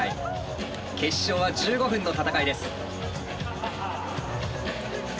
決勝は１５分の戦いです。